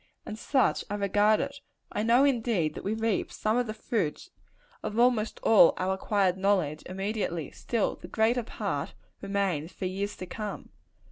And such I regard it. I know, indeed, that we reap some of the fruits of almost all our acquired knowledge, immediately: still, the greater part remains for years to come.